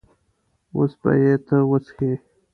اوس به یې ته وڅښې.